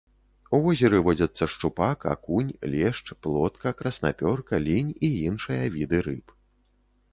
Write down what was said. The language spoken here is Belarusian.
У возеры водзяцца шчупак, акунь, лешч, плотка, краснапёрка, лінь і іншыя віды рыб.